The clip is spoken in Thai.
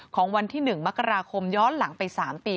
ของวันที่๑มกราคมย้อนหลังไป๓ปี